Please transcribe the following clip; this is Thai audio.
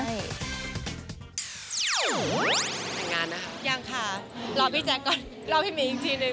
ยังค่ะรอพี่แจ๊คก่อนรอพี่หมีอีกทีหนึ่ง